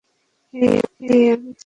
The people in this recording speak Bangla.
হেই, আমি সরি!